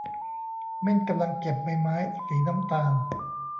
เม่นกำลังเก็บใบไม้สีน้ำตาล